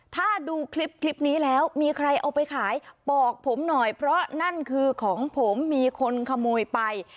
ถ้าดูคลิปนี้แล้วมีใครเอาไปขายบอกผมหน่อยเพราะนั่นคือของผมมีคนขโมยไป